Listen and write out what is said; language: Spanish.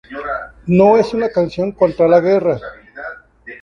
No es una canción contra la guerra.